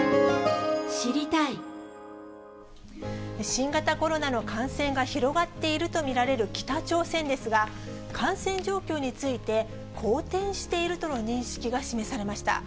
新型コロナの感染が広がっていると見られる北朝鮮ですが、感染状況について、好転しているとの認識が示されました。